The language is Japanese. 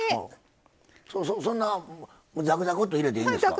そんなざくざくっと入れていいんですか。